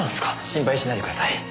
心配しないでください。